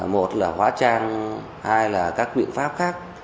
một là hóa trang hai là các biện pháp khác